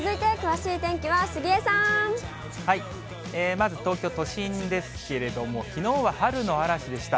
まず東京都心ですけれども、きのうは春の嵐でした。